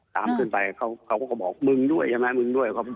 ตามขึ้นไปเขาก็บอกมึงด้วยใช่ไหม